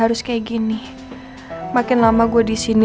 kayaknya kamarnya masih ada deh